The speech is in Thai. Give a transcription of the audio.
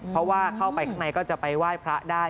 เพราะว่าเข้าไปข้างในก็จะไปไหว้พระได้